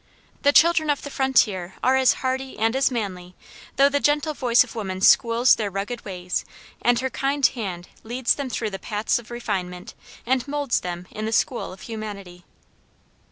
The children of the frontier are as hardy and as manly though the gentle voice of woman schools their rugged ways and her kind hand leads them through the paths of refinement and moulds them in the school of humanity.